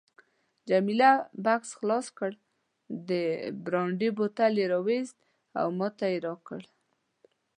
جميله بکس خلاص کړ، د برانډي بوتل یې راوایست او ماته یې راکړ.